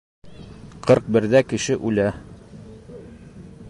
Ҡырҡ берҙә кеше үлә!